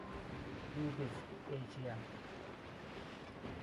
ยูบิส เอเชีย